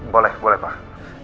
boleh boleh pak